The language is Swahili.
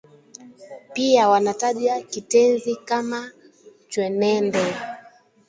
Pia wanataja kitenzi kama chwenende